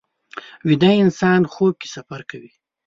ویده انسان خوب کې سفر کوي